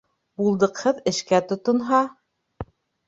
Булдыҡһыҙ эшкә тотонһа